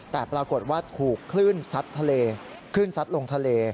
แต่ปรากฏว่าถูกคลื่นซัดทะเลคลื่นซัดลงทะเล